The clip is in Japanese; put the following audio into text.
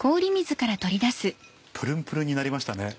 プルンプルンになりましたね。